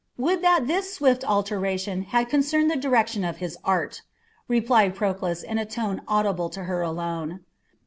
"Would that this swift alteration had concerned the direction of his art," replied Proclus in a tone audible to her alone.